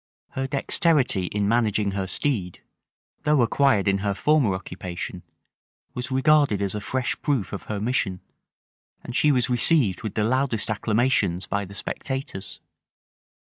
Her dexterity in managing her steed, though acquired in her former occupation, was regarded as a fresh proof of her mission; and she was received with the loudest acclamations by the spectators.